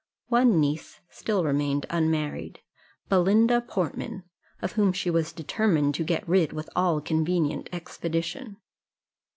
One niece still remained unmarried Belinda Portman, of whom she was determined to get rid with all convenient expedition.